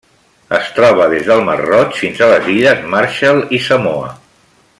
Es troba des del Mar Roig fins a les Illes Marshall i Samoa.